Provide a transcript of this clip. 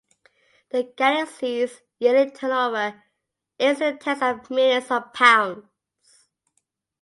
The gallery's yearly turnover is in the tens of millions of pounds.